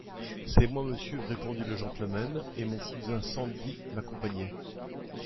C’est moi, monsieur, répondit le gentleman, et mon cousin Sandy m’accompagnait.